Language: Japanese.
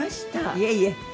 いえいえ。